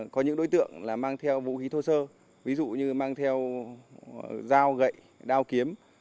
có những đối tượng là mang theo vũ khí thô sơ ví dụ như mang theo dao gậy đao kiếm